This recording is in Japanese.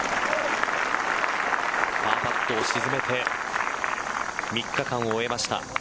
パーパットを沈めて３日間を終えました。